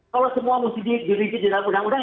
kalau semua mesti direvisi di dalam undang undang